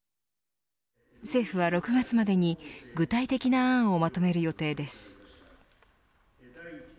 政府は６月までに具体的な案をまとめる予定です。